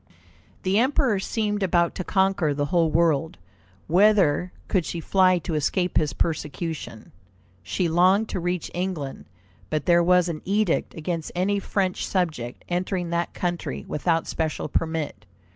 The Emperor seemed about to conquer the whole world. Whither could she fly to escape his persecution? She longed to reach England, but there was an edict against any French subject entering that country without special permit.